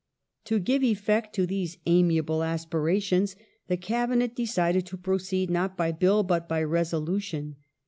To give effect to these amiable aspirations the Cabinet decided to proceed not by Bill, but by resolution.